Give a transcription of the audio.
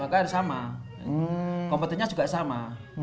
maka harus sama kompetinya juga sama